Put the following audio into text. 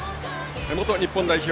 元日本代表